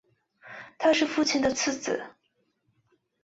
他是父亲的次子。